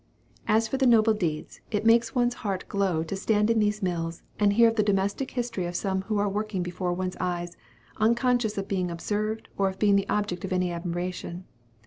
As for the noble deeds, it makes one's heart glow to stand in these mills, and hear of the domestic history of some who are working before one's eyes, unconscious of being observed or of being the object of any admiration.